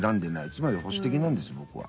つまり保守的なんです僕は。